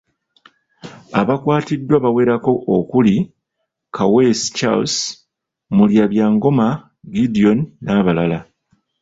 Abakwatiddwa bawerako okuli; Kaweesi Charles, Mulabyangoma Gideon n'abalala .